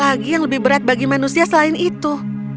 apalagi yang lebih berat bagi manusia selain itu